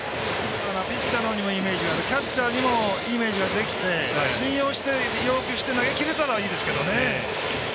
ピッチャーにもイメージがあるイメージができて信用して、要求して投げきれたらいいですけどね。